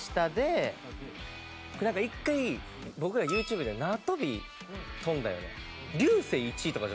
なんか一回僕らＹｏｕＴｕｂｅで縄跳び跳んだよね。